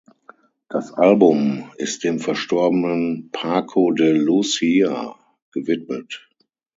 Das Album ist dem verstorbenen Paco de Lucia gewidmet.